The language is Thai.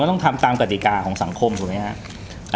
ต้องทำตามกฎิกาของสังคมถูกไหมครับ